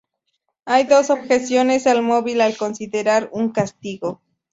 Hay dos objeciones al móvil al considerar un castigo.